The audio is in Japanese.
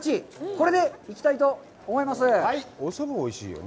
これで行きたいと思います。